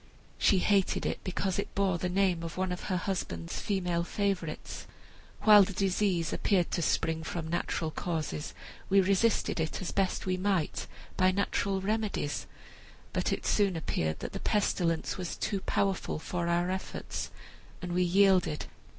She hated it because it bore the name of one of her husband's female favorites. While the disease appeared to spring from natural causes we resisted it, as we best might, by natural remedies; but it soon appeared that the pestilence was too powerful for our efforts, and we yielded.